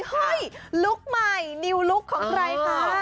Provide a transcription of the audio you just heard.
เฮ้ยลุคใหม่นิวลุคของใครคะ